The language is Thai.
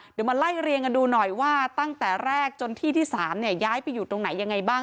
เดี๋ยวมาไล่เรียงกันดูหน่อยว่าตั้งแต่แรกจนที่ที่๓ย้ายไปอยู่ตรงไหนยังไงบ้าง